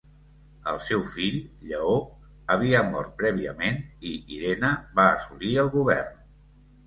El seu fill, Lleó, havia mort prèviament i Irene va assolir el govern.